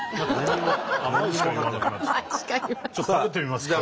ちょっと食べてみますか！